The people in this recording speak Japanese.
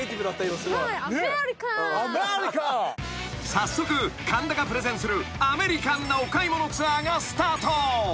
［早速神田がプレゼンするアメリカンなお買い物ツアーがスタート］